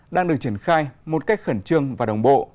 đang được triển khai một cách khẩn trương và đồng bộ